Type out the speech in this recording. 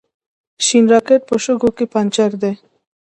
شین راکېټ په شګو کې پنجر دی.